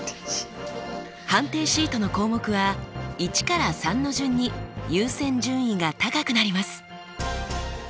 判定シートの項目は１から３の順に優先順位が高くなります。